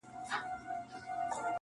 دا چي تاسي راته وایاست دا بکواس دی,